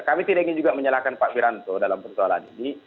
kami tidak ingin juga menyalahkan pak wiranto dalam persoalan ini